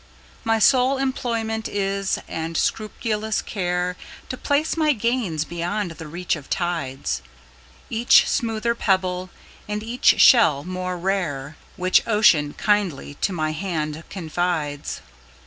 My sole employment is, and scrupulous care, To place my gains beyond the reach of tides,—Each smoother pebble, and each shell more rare, Which Ocean kindly to my hand confides.